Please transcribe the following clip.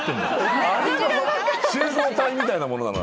集合体みたいなものなの？